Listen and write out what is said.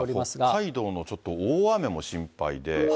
北海道のちょっと大雨も心配で。